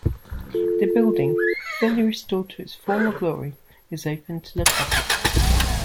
The building, fully restored to its former glory, is open to the public.